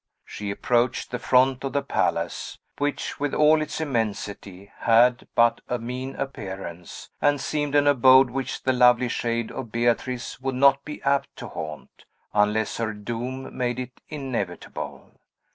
She approached the front of the palace, which, with all its immensity, had but a mean appearance, and seemed an abode which the lovely shade of Beatrice would not be apt to haunt, unless her doom made it inevitable.